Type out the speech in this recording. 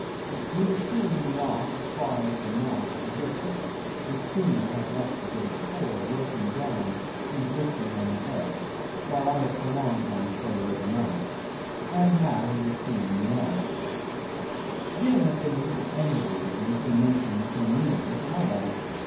He was seeing me off as far as the mouth of the river. The schooner had left the day before, working down and drifting on the ebb, while I had prolonged my stay overnight. And now he was seeing me off. 'Jim had been a little angry with me for mentioning Cornelius at all.